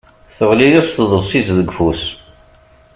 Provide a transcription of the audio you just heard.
Teɣli-yas tḍebsit deg ufus.